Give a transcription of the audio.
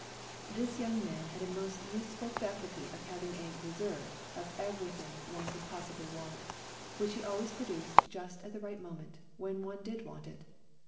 This young man had a most useful faculty of having a " reserve " of 134 FIGHTING ON MOUNT CHUKUS everything one could possibly want, which he always produced just at the right mo ment, when one did want it.